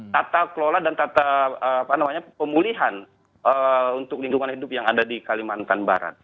tata kelola dan tata pemulihan untuk lingkungan hidup yang ada di kalimantan barat